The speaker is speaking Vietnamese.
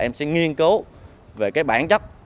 em sẽ nghiên cấu về cái bản chất